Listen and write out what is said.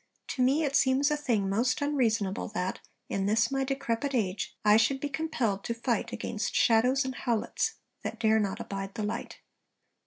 To me it seems a thing most unreasonable, that, in this my decrepit age, I should be compelled to fight against shadows and howlets, that dare not abide the light!'